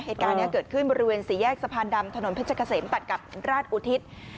เหตุการณ์นี้เกิดขึ้นบริเวณสี่แยกสะพานดำถนนเพชรเกษมตัดกับราชอุทิศ